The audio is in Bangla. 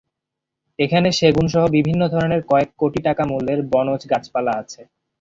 এখানে সেগুনসহ বিভিন্ন ধরনের কয়েক কোটি টাকা মূল্যের বনজ গাছপালা আছে।